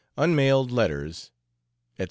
UNMAILED LETTERS, ETC.